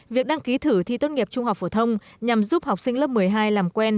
việc đăng ký thử thi tốt nghiệp trung học phổ thông nhằm giúp học sinh lớp một mươi hai làm quen